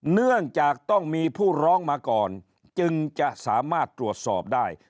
เนื่องจากต้องมีผู้ร้องมาก่อนจึงจะสามารถตรวจสอบได้